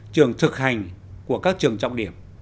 trường thực hành của các trường